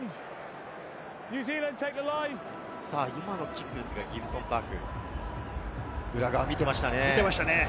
今のキックですが、ギブソン＝パーク、裏側を見ていましたね。